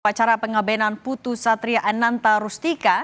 upacara pengabenan putu satria ananta rustika